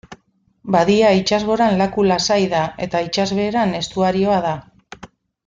Badia itsasgoran laku lasai da eta itsasbeheran estuarioa da.